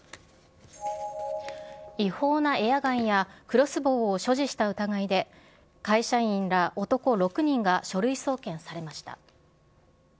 違法なエアガンやクロスボウを所持した疑いで、会社員ら男６人が書類送検されました。